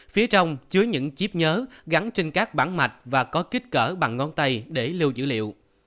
phía trong chứa những chip nhớ gắn trên các bản mạch và có kích cỡ bằng ngón tay để lưu dữ liệu